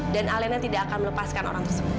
dan alena tidak akan melepaskan orang tersebut